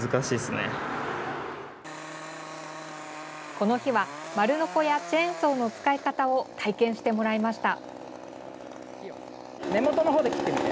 この日は丸のこやチェーンソーの使い方を体験してもらいました。